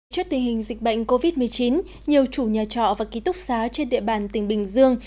trước tình hình dịch bệnh covid một mươi chín nhiều chủ nhà trọ và ký túc xá trên địa bàn tỉnh bình dương